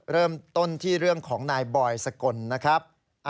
เริ่มต้นที่เรื่องของนายบอยสกลนะครับ